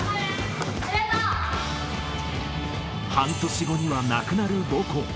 半年後にはなくなる母校。